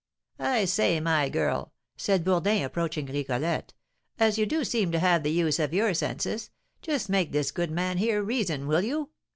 "I say, my girl," said Bourdin, approaching Rigolette, "as you do seem to have the use of your senses, just make this good man hear reason, will you?